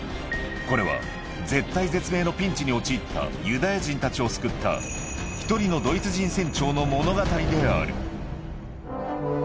これは絶体絶命のピンチに陥ったユダヤ人たちを救った、一人のドイツ人船長の物語である。